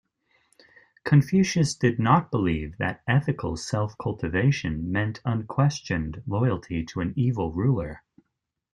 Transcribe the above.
Confucius did not believe that ethical self-cultivation meant unquestioned loyalty to an evil ruler.